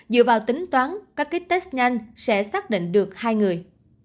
dựa vào tính toán các ký test nhanh sẽ xác định được hai người